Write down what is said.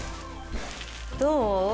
どう？